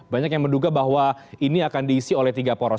banyak yang menduga bahwa ini akan diisi oleh tiga poros